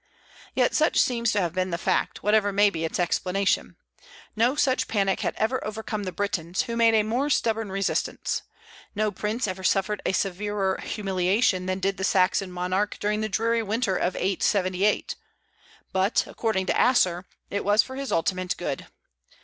Yet such seems to have been the fact, whatever may be its explanation. No such panic had ever overcome the Britons, who made a more stubborn resistance. No prince ever suffered a severer humiliation than did the Saxon monarch during the dreary winter of 878; but, according to Asser, it was for his ultimate good.